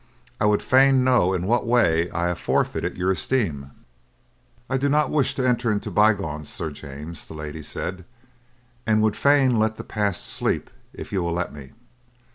I would fain know in what way I have forfeited your esteem." "I do not wish to enter into bygones, Sir James," the lady said, "and would fain let the past sleep if you will let me.